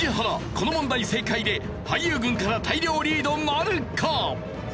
この問題正解で俳優軍から大量リードなるか！？